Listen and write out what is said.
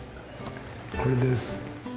これです。